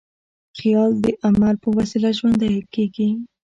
خیال د عمل په وسیله ژوندی کېږي.